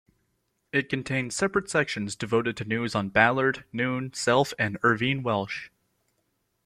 It contains separate sections devoted to news on Ballard, Noon, Self and Irvine Welsh.